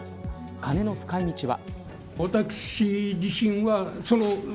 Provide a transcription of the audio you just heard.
金の使い道は。